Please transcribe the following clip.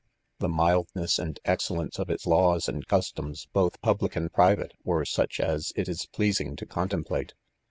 The mildness and excel lence of its laws and customs, both public and 'private, were such as it is pleasing to contemplate.